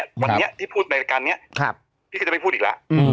วันนี้ที่พูดในรายการนี้พี่ก็จะไม่พูดอีกแล้ว